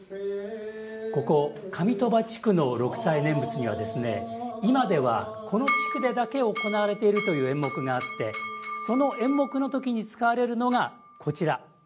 ここ、上鳥羽地区の六斎念仏には今では、この地区でだけ行われているという演目があってその演目の時に使われるのがこちら。